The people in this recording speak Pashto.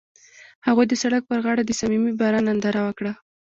هغوی د سړک پر غاړه د صمیمي باران ننداره وکړه.